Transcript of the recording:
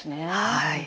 はい。